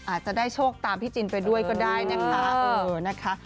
อาจจะได้โชคตามพี่จินไปด้วยก็ได้นะคะ